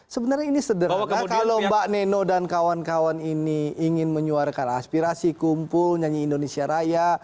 sebenarnya ini sederhana kalau mbak neno dan kawan kawan ini ingin menyuarkan aspirasi kumpul nyanyi indonesia raya